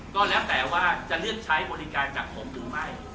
ก็แล้วแต่ว่าจะเลือกใช้บริการจากผมหรือไม่